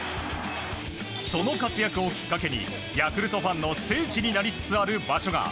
その活躍をきっかけにヤクルトファンの聖地になりつつある場所が。